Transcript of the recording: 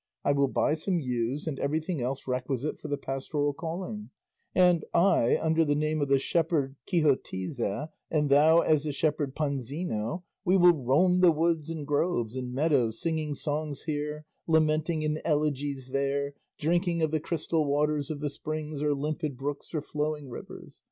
I will buy some ewes and everything else requisite for the pastoral calling; and, I under the name of the shepherd Quixotize and thou as the shepherd Panzino, we will roam the woods and groves and meadows singing songs here, lamenting in elegies there, drinking of the crystal waters of the springs or limpid brooks or flowing rivers.